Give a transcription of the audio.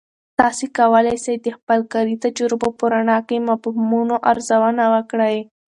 تاسې کولای سئ د خپل کاري تجربو په رڼا کې مفهومونه ارزونه وکړئ.